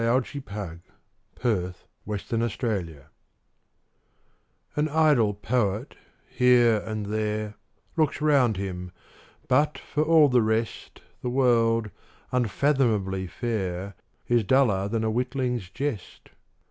Coventry Patmore The Revelation AN idle poet, here and there, Looks round him, but, for all the rest, The world, unfathomably fair, Is duller than a witling's jest.